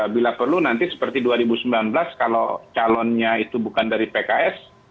bila perlu nanti seperti dua ribu sembilan belas kalau calonnya itu bukan dari pks